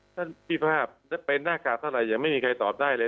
พี่ภาพเป็นหน้ากากเท่าไหร่ยังไม่มีใครตอบได้เลย